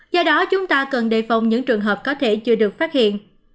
do đó chúng ta cần đề phòng những trường hợp có thể chưa được phát hiện